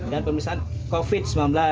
dan pemeriksaan covid sembilan belas